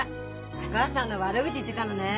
お母さんの悪口言ってたのね？